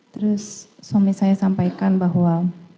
terus suami saya sampaikan bahwa